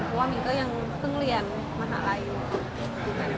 เพราะว่ามินก็ยังเพิ่งเรียนมหาลัยอยู่